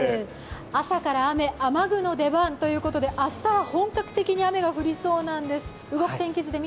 朝から雨、雨具の出番ということで、明日は本格的に雨が降りそうなんです。